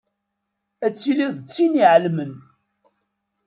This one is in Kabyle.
Ad tiliḍ d tin iεelmen.